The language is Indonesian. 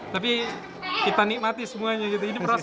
tapi kita nikmati semuanya gitu ini prosesnya